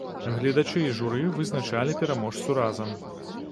Гледачы і журы вызначалі пераможцу разам.